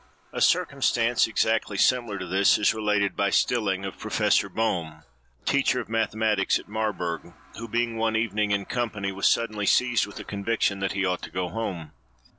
A circumstance, exactly similar to this, is related by Stilling, of Professor Böhm, teacher of mathematics at Marburg; who being one evening in company, was suddenly seized with a conviction that he ought to go home.